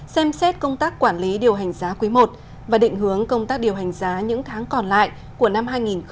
xem xét công tác quản lý điều hành giá quý i và định hướng công tác điều hành giá những tháng còn lại của năm hai nghìn hai mươi